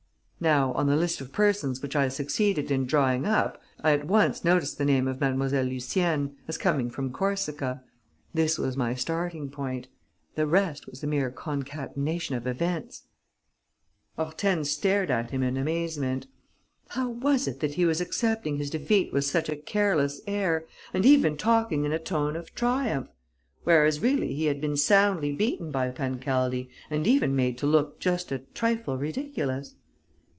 Now, on the list of persons which I succeeded in drawing up. I at once noticed the name of Mlle. Lucienne, as coming from Corsica. This was my starting point. The rest was a mere concatenation of events." Hortense stared at him in amazement. How was it that he was accepting his defeat with such a careless air and even talking in a tone of triumph, whereas really he had been soundly beaten by Pancaldi and even made to look just a trifle ridiculous?